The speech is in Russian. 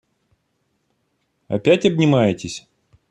Опять обнимаетесь?